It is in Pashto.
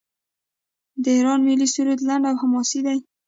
د ایران ملي سرود لنډ او حماسي دی.